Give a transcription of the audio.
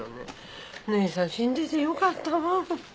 姉さん死んでてよかったわ。